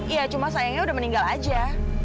ya cuma sayangnya udah meninggal aja